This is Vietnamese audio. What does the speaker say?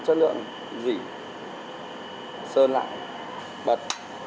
chất lượng rỉ sơn lại bật